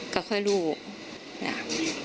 ก็ค่อยรู้นะ